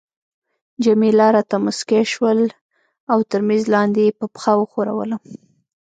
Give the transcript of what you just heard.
جميله راته مسکی شول او تر میز لاندي يې په پښه وښورولم.